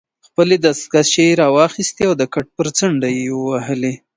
خپلې دستکشې يې راواخیستې او د کټ پر څنډه ېې ووهلې.